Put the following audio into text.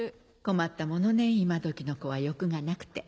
困ったものね今どきの子は欲がなくて。